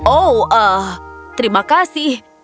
oh ee terima kasih